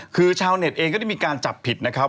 คือชาวเน็ตเองก็ได้มีการจับผิดนะครับ